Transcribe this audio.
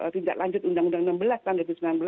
tindak lanjut undang undang enam belas dan sembilan belas